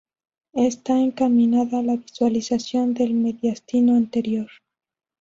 Está encaminada a la visualización del mediastino anterior.